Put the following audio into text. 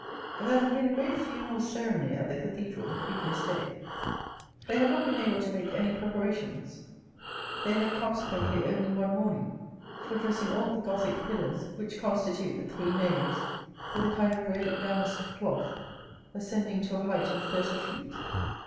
There had been a great funeral ceremony at the cathedral the previous day. They had not been able to make any preparations. They had consequently only one morning for dressing all the Gothic pillars which constitute the three naves with a kind of red damask cloth ascending to a height of thirty feet.